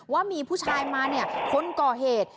ว่ามีผู้ชายมาเนี่ยคนก่อเหตุ